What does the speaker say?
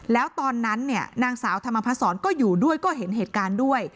แล้วตอนนั้นนางสาวธรรมพัฒน์สอนก็อยู่ด้วยก็เห็นเหตุการณ์ด้วย